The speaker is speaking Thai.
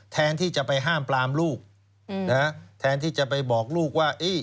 แทนที่จะไปห้ามปลามลูกแทนที่จะไปบอกลูกว่า